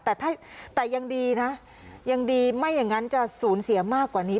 แต่ยังดีนะยังดีไม่อย่างนั้นจะสูญเสียมากกว่านี้